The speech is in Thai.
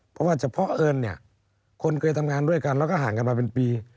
เพราะว่าเฉพาะเอิญเนี่ยคนเคยทำงานด้วยกันแล้วก็ห่างกันมาเป็นปี